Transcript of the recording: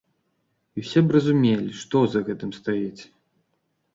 І ўсе б разумелі, што за гэтым стаіць.